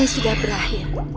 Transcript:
ini sudah berakhir